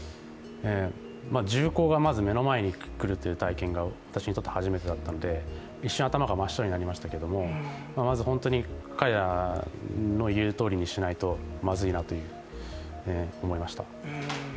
銃口がまず目の前に来るという体験が私にとって初めてだったので、一瞬頭が真っ白になりましたけどまず本当に彼らの言うとおりにしないとまずいなと思いました。